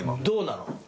どうなの？